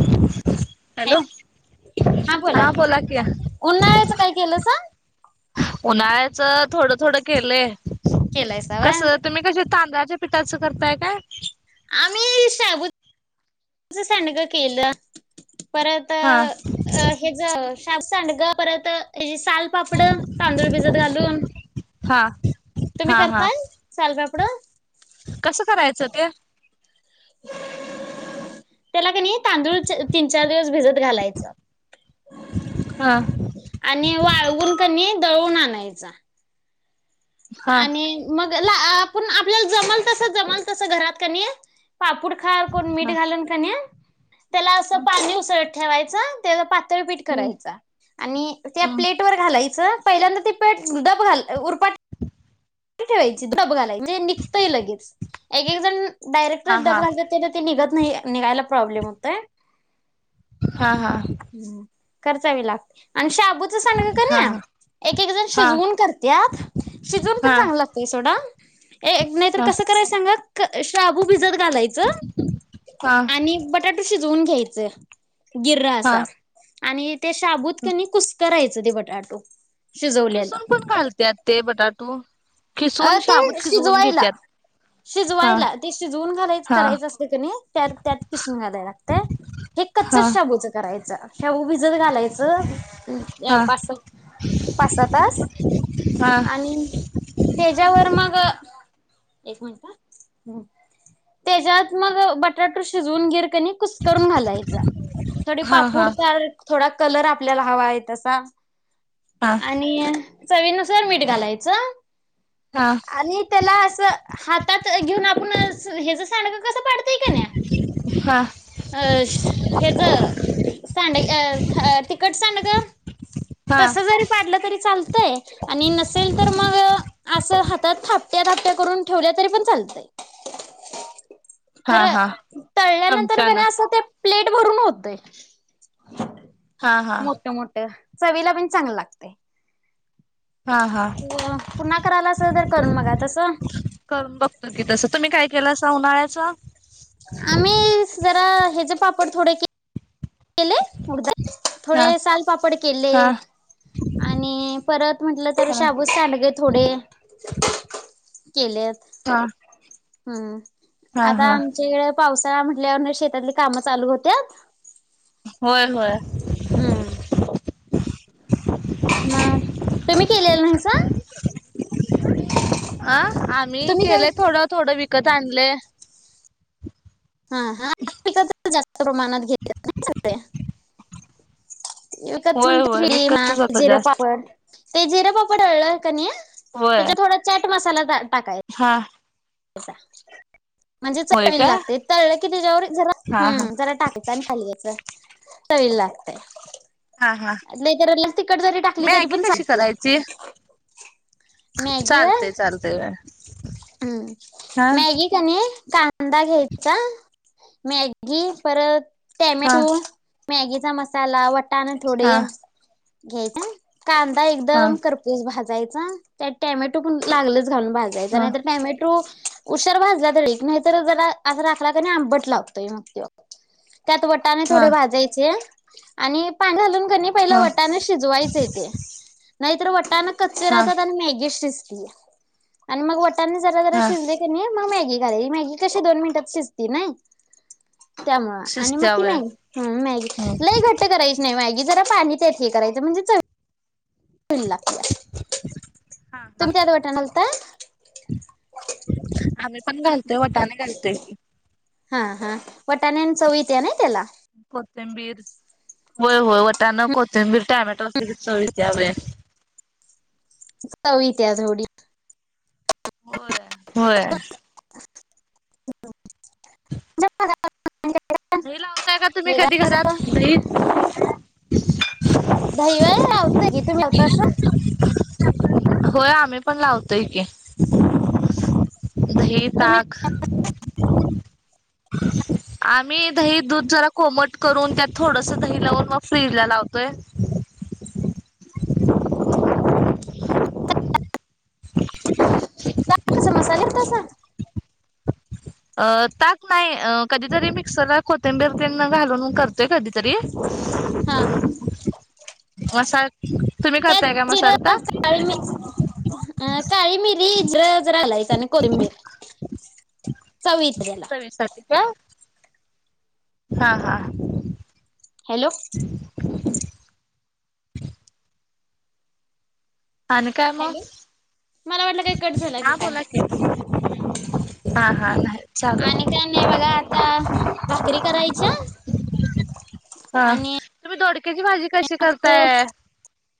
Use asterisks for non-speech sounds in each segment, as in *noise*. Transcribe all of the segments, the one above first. Hello, hello हा बोला की उन्हाळ्याचं काय केलंसा? उन्हा सगळं थोडं थोडं केलंय केलायसा कस व्हय तुम्ही कसे तांद त्या पीठाचं करताय का? आमही साबू तुझं सांडग केलं. परत हा हे जावं सांडग परत सालपापड तांदूळ भिजत घालून हा तुम्ही हा हा करताय सालपापड कसं करायचं ते तेलाकी नाही, तांदूळ तीन चार दिवस भिजत घालायचं हा आणि वाळवून किणी दळून आणयचा. हा आणि मग आपण आपल्याला जमल तस जमल तस घरात कनी पापूड खा कोण हा मीठ घालून की नाही. त्याला असं पाणी उसळत ठेवायच तेला पीट हम् करायचा आणि त्या प्लेट वर घालाय पहिल्यदा तर ती डब घाल ह इकडे बघायला म्हणजे निघतंय लगेच एक एक जण डायरेक्ट हा हा डब घालतात कणी ते निघत नाही निघायला प्रॉब्लेम होतय हा हा खर्चावी लागते आणि शाबू शाबू च सांडग हा कणी एक एक जण हा शिजवून करत्यात शिजवलं तर हा चांगलं लागतंय सोडा नाहीतर हा कसं करायचं सांगा शाबू भिजत घालायच हा आणि बटाट शिजवून शिजवून घ्यायच गीर हा असा आणि ते शाबूत कुस्करायच आणि ते बटाटा किसून पण घालत्यात ते बटाटू अ खिसून ते शाबूत शिजवून शिजवायला घेत्यात हा शिजवायला ते शिजवून घालायच हा करायचं असतं कणी त त्यात किसून घालायला लागत हे हा कच्चच शाबूचं करायचं शाबू भिजत घाल घालायचं हा पाच सहा तास हा आणि तर मग त्याच्यात मग बटाटा शिजवून गीर कुस्करायचा करून घालायचा थोडी हा पापड हा खार थोडं कलर आपल्याला हवा आहे तसा हा आणि चवीनुसार मीठ घालायचं हा आणि त्याला असं हातात घेऊन आपण याच सांडगं कसं करत्यात कणी हा हेच तिखट सांडगे हा तस जरी पाडलं तरी चालतंय आणि नसेल तर मग असं हातात थापट्या थापट्या करून ठेवल्या तरी पण चालतय हा खरं हा तळल्यानंतर चमचान कणी असं ते प्लेट भरून होतंय हा हा मोठं मोठं चवीला, पण चांगलं लागतय. हा हा पुन्हा करायला असेल तर करून बघा तसं करून बघतो की तस, तुम्ही काय केलस. आता उन्हाळ्याचं. आम्ही जरा. ह्याचे पापड थोडे के हा थोडे सालपापड केले, हा आणि परत म्हटलं तर हा शाबूत सांडगे थोडे केलेत, हा हं हा आता हा आमच्या इड पावसाळा म्हटल्यावरनं शेतातली कामं चालू होत्यात. होय होय. हूं! ह तुम्ही केलेलं नाहीसा. आ! आम्ही तुम्ही काय केलय थोडं थोडं विक कथ आणलय. हा हा तर जास्त प्रमाणात घेत सगळे *unintelligible* विकतच होय म्हणत होय थ्री विकतच मास, आता झिरो जास्त पापड. ते जिरा पापड वाळला कनीया. होय त्याच्या थोडं चाट मसाला घाल. हा! कसा. म्हणजे होय चवी ल का लागतय तळलं. किती जाऊरे! जरा हा हा हूं जरा टाकायच आणि खाली यायच. चवीला लागतेय. हा हा टाकली तरी मॅगी पण कशी चालत्या. करायची, चालतय चालतय. हूं मॅगी कणी कां दा घ्यायचा मॅगी परत हा हा ट्यामॅटो मॅगीचा मसाला वट न थोडे हा घ्यायचा. कांदा हा एकदम खरपूस भाजाय. त्यात टॅमॅटो पण लागल. घालून भाजायचा नाहीतर. टोमॅटू उशार भाजला तर एक नाही तर जरा अस राखला कणी आंबट लावतोय मग तो त्यात वटाने हा थोडे भाजायचे आणि पाणी घालून. पहिल हा वटाण शिजवायचे ते नाही तर वटाण कच हा राहतात आणि मॅगी शिजते. आणि मग त्यांनी जरा जरा हा शिजले कणी मग मॅगी मॅगी घालायची मॅगी कशी दोन मिनटात शिजती नाही त्यामुळ आणि मग शिजत्या ती वय मॅग मॅगी हम्म लई घट्ट करायची नाही मॅगी जरा पाणी ते हे करायचं म्हणजे चवी ला हा हा तुम्ही त्यात वाटाना घालताय? आम्ही पण घालतोय वटाने घालतोय की हा हा वटाण्याण चव येत्या नाही त्याला कोथिंबीर होय होय वटाणा कोथिंबीर टाॅमॅटो असले की चव येत्या होय. चव येत्या थोडी होय होय *unintelligible* दही लावताय का तुम्ही वेगळा कधी घरात असं दही? *unintelligible* दही होय लावतोय की तुम्ही लावतासा? होय आम्ही पण लावतोय की, दही, तुम्ही ताक आम्ही दही दूध जरा कोमट करून त्यात थोडस दही लावून मग फ्रीजला लावतोय. ताक कसं मस्त तसा अ ताक नाही कधीतरी मिक्सरला कोथिंबीर तेन घालून करतोय कधीतरी हा मसाला तुम्ही त्यात करताय का जीर, ताक? काळी मिरी जरा घालायच आणि कोथिंबीर चव येत्या त्याला. चवीसाठी का हा हा. हॅलो आणी काय मग, हॅलो मला वाटलं काही कट झाला हा काय. बोला की हा हा चालू आणि काय नाही बघा आता भाकरी करायच्या हाय आणि तुम्ही दोडक्याची भाजी कशी असं करताय?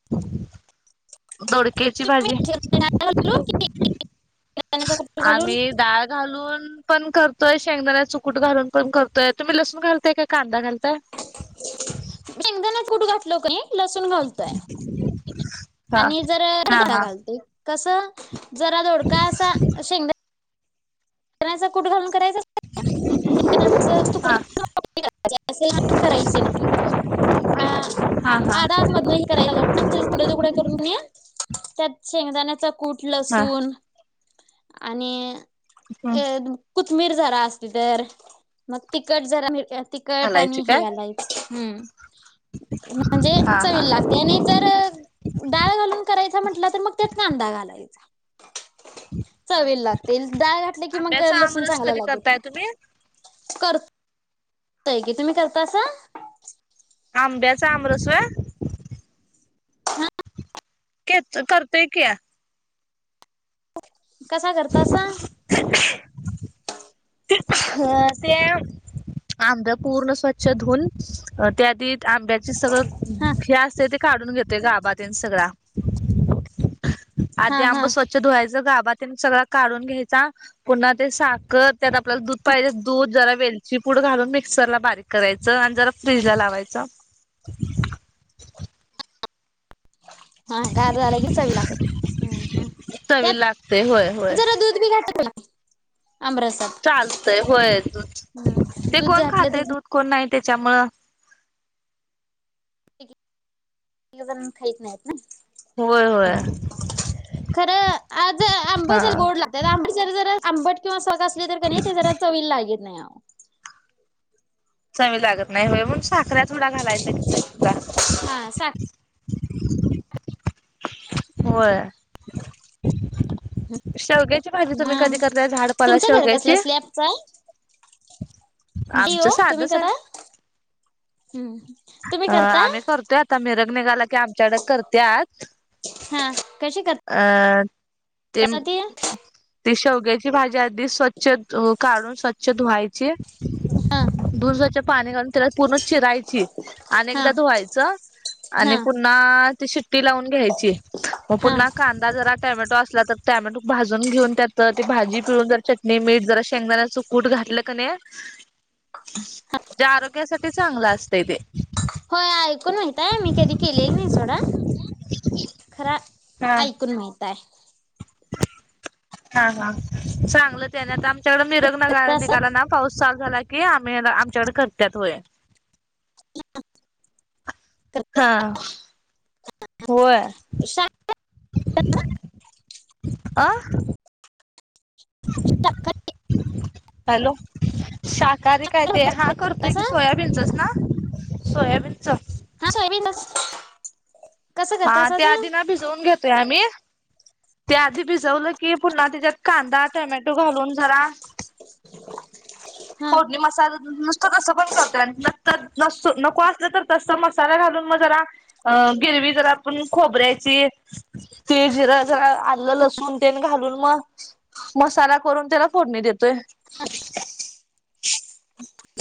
ह *unintelligible* दोडक्याची तुम्ही भाजी शेंगदाण्याला घालून की शेंगदाण्याचा कुट घालून आम्ही डाळ घालून पण करतोय शेंगदाण्याचा कूट घालून पण करतोय, तुम्ही लसून घालतय का कांदा घाल *unintelligible* कुट घातलो क लसूण घालतोय हा आणि हा जरा हा घालतोय कस जरा दोडका असा शेंगदा जरासा कुट घालून हा हा हा *unintelligible* त्यात शेंगदाण्याच कूट हा लसून आणि हम्म *unintelligible* कोथमीर जरा असती तर मग तिखट जरा तीखट घालायची आणि हे काय? घालायचं हम्म म्हणजे हा हा चवील लागते, आणि जर डाळ हा चवीला लागतील दाळ की मंग आंब्याचा लसूण आमरस चांगला कधी लागेल करताय तुम्ही? का तर तय की तुम्ही करता सा आंब्याचा आमरस होय. हा केत करतोय की आ ह *unintelligible* कसा करता सा *unintelligible* आंबे पूर्ण स्वच्छ धूऊन त्या आधी आंब्याचे सगळं हा हेे असते ते काढून घेत. ते गाबा ते सगळा आधी हा आंब हा स्वच्छ धुवायचं *unintelligible* पातेलीत सगळा काढून घ्यायचा पुन्हा ते साखर त्यात आपल्याला दूध पाहिजे तर दूध जरा, वेलची पूड घालून मिक्सर ला बारीक करायच आणि जरा फ्रीज ला लावायच. हा गार झालं की चवी लागते, *unintelligible* चवीला लागतंय होय त्यात होय. जरा दूध भी घालते बोला चालतंय होय दूध हम्म ते दूध कोण घातलं खातय तरी दूध कोण नाही. त्याच्यामुळं काहीजण खाईत नाही होय होय ना, खर आज आंब *unintelligible* हा. गोड लागत आंबरस जर आंबट किंवा सग असले, तर कनी ते जरा चवील लागीत नाही आहो. चव ही लागत नाही होय, म्हणून साखऱ्यात. थोडा घालायचा चवीपुरता. हा साख *inaudible* होय! शेवग्याची भाजी तुम्ही म कधी करताय, झाडपाला तुमचं घर कसलं शेवग्याची स्लॅबच आहे? नाही आमचं हो तुम्ही साधच आहे, करा हम्म. तुम्ही अ करता आम्ही करतोय आता मेरत निघाल की आमच्याकडे करत्यात. हा कशी कर अ ते! शेवग्याची भाजी, अधी स्वच्छ काढून स्वच्छ धुवायची. हा! धुवून स्वच्छ पाणी घालून. त्याला पूर्ण चिरायची, आणि हा एकदा धुवायचं, हा आणि पुन्हा ती शिट्टी लावून घ्यायची मग हा पुन्हा कांदा, जरा टॅमॅटो, असला तर टॅमॅटो भाजून घेऊन त भाजी पिळुन जर चटणी मीठ जर शेंगदाना च कूट घातलं का नाही. जे आरोग्या स ते चांगलं असतय ते. होय आहे. ऐकून माहिताय मी कधी केलेलं नाही सोडा, खरा हा ऐकून माहिताय. हा हा चांगलं त्याने आता आमच्याकड मिर नगाळ कसं निघाल ना पाऊस चालू झालाय. कि आम्ही ये ना, आमच्याकडे करत्यात होय! ह *unintelligible* हा होय शा- अ! साखर हॅलो! शाकाहारी. काय ते हा करतोय की कसं सोयाबीनचच ना? सोयाबीन च? हा सोयाबीन नच हा त्या आधी ना भिजवून घेतोय आम्ही. ते आधी भिजवलं की पुन्हा त्याच्यात, कांदा, टोमॅटो, घालून जरा *inaudible* हा फोडणी मसाल नसत कसं पण करतोय, नत नस नको असलं तर तस मसाला घालून मग जरा अ गिरवी जरा आपण खोबऱ्याची तेल जिरं जरा आलं लसून ते घालून मग मसाला करून त्याला फोडणी देतोय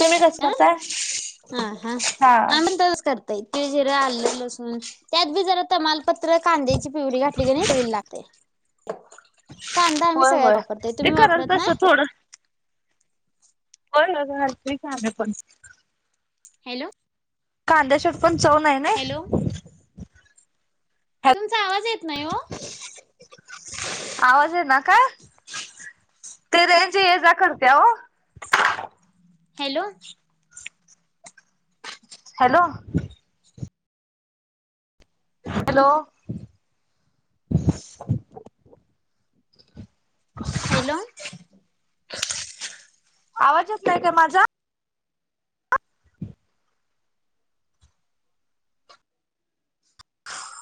तुम्ही कसं करताय आ हा हा आमी पण तसंच करतयत ति जिरे आल्लवि लसूण त्यात बी जरा तमालपत्र, कांदेची प्युरी घातली कणी चवीला लागतय. कांदा आम्ही होय सगळ्यात होय वापरतोय, ते तुम्ही करल वापरत नाय? तसं थोडं होय घालतोय की आम्ही पण हॅलो. कांदा शिवट पण चव नाही हॅलो नई. तुमचा आवाज येत नाई ओ आवाज येईना काय? ते रेंज ये जा करत्या ओ हॅलो. हॅलो. हॅलो. हॅलो. आवाज येत नाई काय माजा?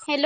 हॅलो